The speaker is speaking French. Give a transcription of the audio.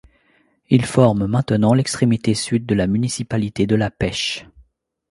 Il forme maintenant l'extrémité sud de la municipalité de La Pêche.